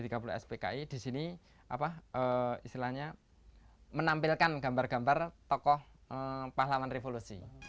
g tiga puluh spki di sini menampilkan gambar gambar tokoh pahlawan revolusi